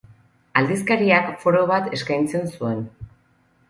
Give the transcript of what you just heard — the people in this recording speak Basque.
Aldizkariak foro bat eskaintzen zuen.